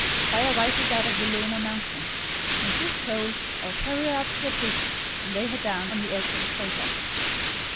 "Fire rises out of the lunar mountains: when she is cold, I'll carry her up to a peak, and lay her down on the edge of a crater."